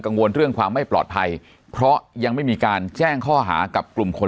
วนเรื่องความไม่ปลอดภัยเพราะยังไม่มีการแจ้งข้อหากับกลุ่มคน